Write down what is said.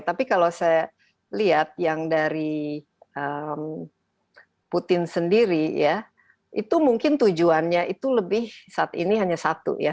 tapi kalau saya lihat yang dari putin sendiri ya itu mungkin tujuannya itu lebih saat ini hanya satu ya